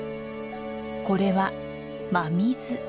これは真水。